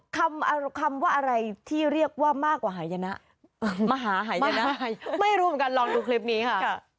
คำว่าอะไรที่เรียกว่ามากกว่าหายนะมหาหายนะไม่รู้เหมือนกันลองดูคลิปนี้ค่ะ